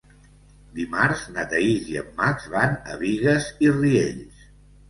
Dimarts na Thaís i en Max van a Bigues i Riells.